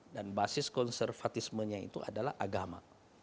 dan basis konservatismenya itu adalah agama